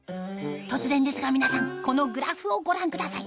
突然ですが皆さんこのグラフをご覧ください